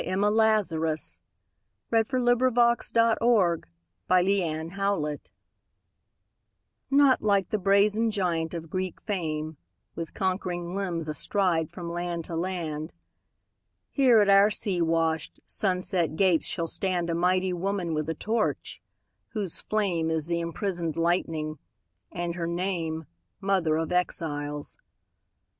The Book of New York Verse. 1917. The New Colossus Emma Lazarus NOT like the brazen giant of Greek fame, With conquering limbs astride from land to land; Here at our sea washed, sunset gates shall standA mighty woman with a torch, whose flameIs the imprisoned lightning, and her nameMother of Exiles.